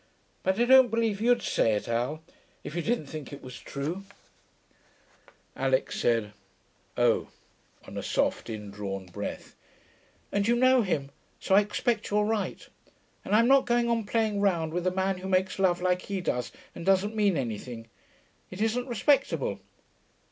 But I don't believe you'd say it, Al, if you didn't think it was true' (Alix said, 'Oh,' on a soft, indrawn breath) 'and you know him, so I expect you're right. And I'm not going on playing round with a man who makes love like he does and doesn't mean anything. It isn't respectable.'